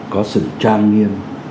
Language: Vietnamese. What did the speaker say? có sự trang nghiêm